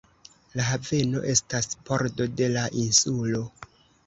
La haveno estas pordo de la insulo.